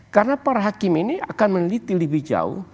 karena para hakim ini akan meneliti lebih jauh